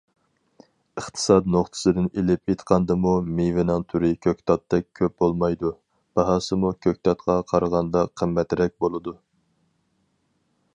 ئىقتىساد نۇقتىسىدىن ئېلىپ ئېيتقاندىمۇ مېۋىنىڭ تۈرى كۆكتاتتەك كۆپ بولمايدۇ، باھاسىمۇ كۆكتاتقا قارىغاندا قىممەترەك بولىدۇ.